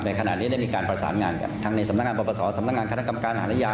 ในขณะนี้ได้มีการประสานงานกันทั้งในสำนักงานปรับประสอบสำนักงานค่าทางกรรมการอาหารยา